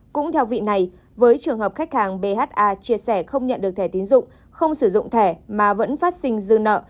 cũng theo vị này với trường hợp khách hàng bha chia sẻ không nhận được thẻ tiến dụng không sử dụng thẻ mà vẫn phát sinh dư nợ